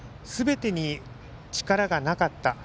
すべてに力がなかった。